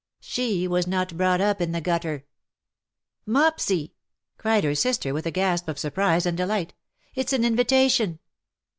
" She was not brought up in the gutter." '• Mopsy ," cried her sister,, with a gasp of surprise and delight, "it's an invitation